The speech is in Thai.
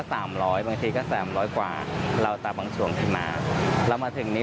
ราคาผักชีไทยตลาดเฮ่ยขวางวันนี้นะครับ๓๘๐๔๐๐บาทต่อกิโลกรัม